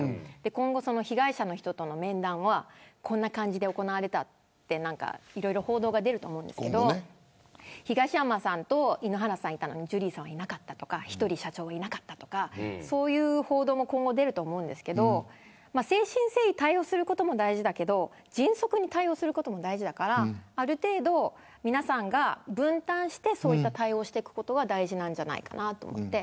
今後、被害者の人との面談はこんな感じで行われたっていろいろ報道が出ると思うんですけど東山さんと井ノ原さんがいたのにジュリーさんはいなかったとかそういう報道も今後、出ると思うんですけど誠心誠意対応することも大事だけど迅速に対応することも大事だからある程度、皆さんが分担して対応していくことが大事なんじゃないかなと思って。